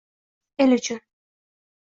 El uchun